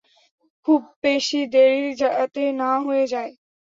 খুব বেশি দেরি যাতে না হয়ে যায়।